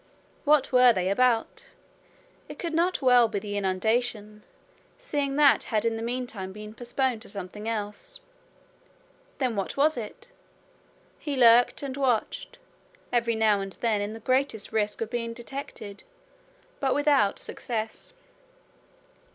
What were they about? It could not well be the inundation, seeing that had in the meantime been postponed to something else. Then what was it? He lurked and watched, every now and then in the greatest risk of being detected, but without success.